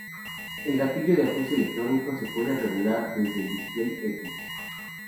El gatillo, de ajuste electrónico, se puede regular desde el Display epic.